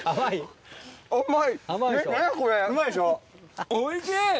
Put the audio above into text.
甘い？